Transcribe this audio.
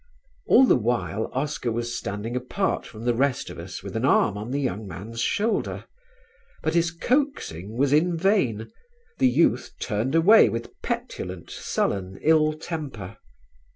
All the while Oscar was standing apart from the rest of us with an arm on the young man's shoulder; but his coaxing was in vain, the youth turned away with petulant, sullen ill temper.